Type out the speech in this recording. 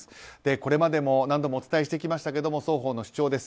これまでも何度もお伝えしてきましたが双方の主張です。